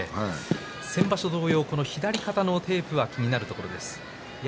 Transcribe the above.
先場所同様、左肩のテープが気になるところです。